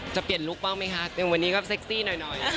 จะเปลี่ยนลุคบ้างไหมคะอย่างวันนี้ก็เซ็กซี่หน่อย